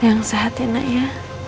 yang sehat ya nak ya